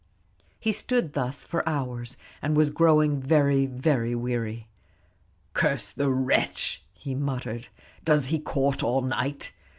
He had stood thus for hours, and was growing very weary. "Curse the wretch!" he muttered, "does he court all night?